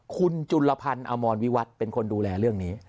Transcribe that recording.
คุณจุลพันธ์อมรวิวัตรเป็นคนดูแลเรื่องนี้